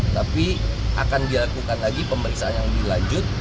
tapi akan dilakukan lagi pemeriksaan yang dilanjut